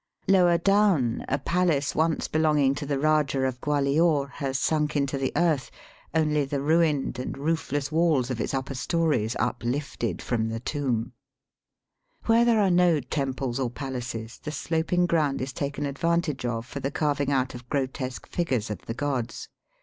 Lower down, a palace once belonging to the Eajah of Gwalior has sunk into the earth, only the ruined and roofless waUs of its upper stories upKfted from the tomb. Where there are no temples or palaces the Digitized by VjOOQIC 222 EAST BY WEST. sloping ground is taken advantage of for the carving out of grotesque figures of the gods.